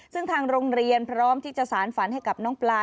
ซึ่งทางโรงเรียนพร้อมที่จะสารฝันให้กับน้องปลา